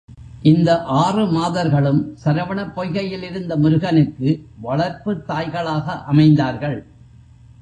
இந்த ஆறு மாதர்களும் சரவணப் பொய்கையில் இருந்த முருகனுக்கு வளர்ப்புத் தாய்களாக அமைந்தார்கள்.